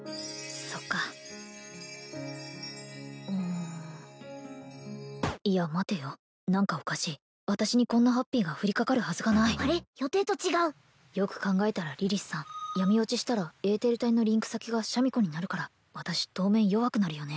そっかうんいや待てよ何かおかしい私にこんなハッピーが降りかかるはずがないあれっ予定と違うよく考えたらリリスさん闇墜ちしたらエーテル体のリンク先がシャミ子になるから私当面弱くなるよね？